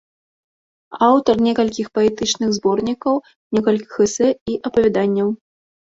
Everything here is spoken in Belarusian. Аўтар некалькіх паэтычных зборнікаў, некалькіх эсэ і апавяданняў.